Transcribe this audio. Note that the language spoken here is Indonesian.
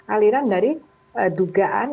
aliran dari dugaan